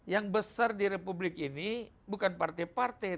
yang besar di republik ini bukan partai partai